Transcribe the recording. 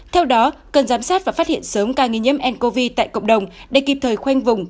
theo đó cần giám sát và phát hiện sớm ca nghi nhiễm ncov tại cộng đồng để kịp thời khoanh vùng